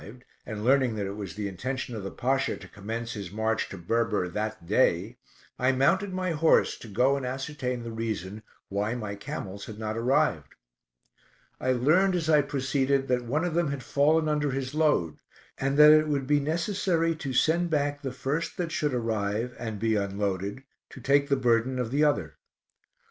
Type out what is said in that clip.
The next morning, finding that they had not arrived, and learning that it was the intention of the Pasha to commence his march to Berber that day, I mounted my horse to go and ascertain the reason why my camels had not arrived. I learned, as I proceeded, that one of them had fallen under his load, and that it would be necessary to send back the first that should arrive and be unloaded, to take the burden of the other.